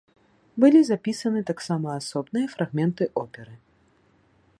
Былі запісаны таксама асобныя фрагменты оперы.